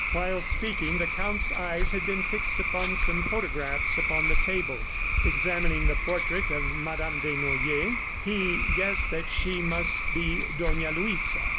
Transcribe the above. While speaking the Count's eyes had been fixed upon some photographs upon the table. Examining the portrait of Madame Desnoyers, he guessed that she must be Dona Luisa.